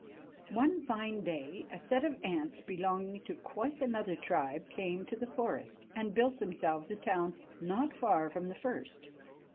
One fine day a set of ants belonging to quite another tribe came to the forest, and built themselves a town not far from the first.